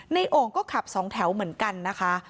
นายโอ่งก็ขับ๒แถวเหมือนกันนะคะ